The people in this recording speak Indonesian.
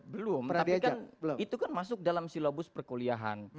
belum tapi itu kan masuk dalam silabus perkuliahan